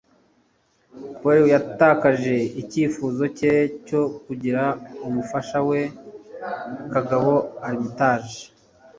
Powell yatakaje icyifuzo cye cyo kugira umufasha we Kagabo Armitage,